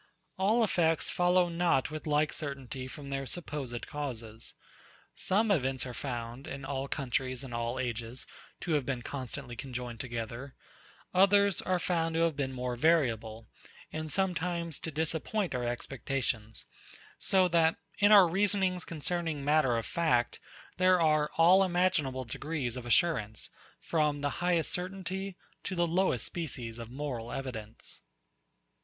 All effects follow not with like certainty from their supposed causes. Some events are found, in all countries and all ages, to have been constantly conjoined together: Others are found to have been more variable, and sometimes to disappoint our expectations; so that, in our reasonings concerning matter of fact, there are all imaginable degrees of assurance, from the highest certainty to the lowest species of moral evidence.